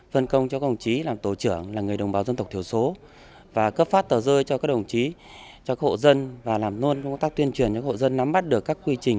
phân công cho các đồng chí làm tổ trưởng là người đồng bào dân tộc thiểu số và cấp phát tờ rơi cho các đồng chí cho các hộ dân và làm nôn trong công tác tuyên truyền cho hộ dân nắm bắt được các quy trình